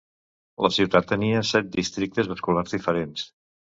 La ciutat tenia set districtes escolars diferents.